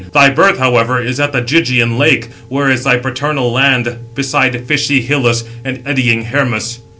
Thy birth, however, is at the Gygæan lake, where is thy paternal land, beside fishy Hyllus, and eddying Hermus."